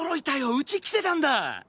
うち来てたんだ？